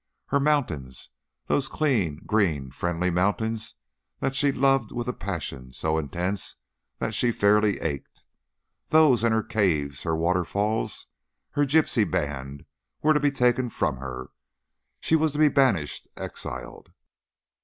Her mountains those clean, green, friendly mountains that she loved with a passion so intense that she fairly ached those and her caves, her waterfalls, her gypsy band, were to be taken from her. She was to be banished, exiled.